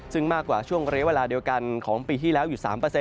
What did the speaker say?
ซึ่งมากกว่าช่วงระยะเวลาเดียวกันของปีที่แล้วอยู่๓